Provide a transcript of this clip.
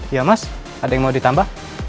iya mas ada yang mau ditambah